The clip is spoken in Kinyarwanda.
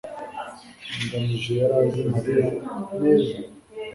ngamije yari azi mariya? neza